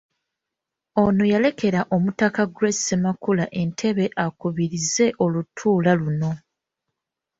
Ono yalekera omutaka Grace Ssemakula entebe akubirize olutuula luno.